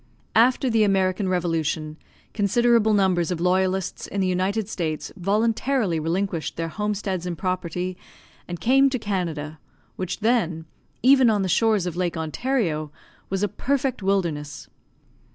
After the American Revolution, considerable numbers of loyalists in the United States voluntarily relinquished their homesteads and property, and came to Canada, which then, even on the shores of Lake Ontario, was a perfect wilderness.